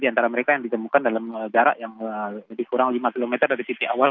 di antara mereka yang ditemukan dalam jarak yang lebih kurang lima km dari titik awal